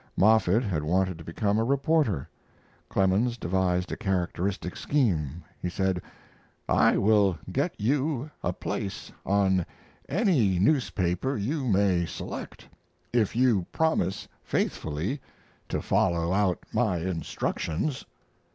Moffett had wanted to become a reporter. Clemens devised a characteristic scheme. He said: "I will get you a place on any newspaper you may select if you promise faithfully to follow out my instructions."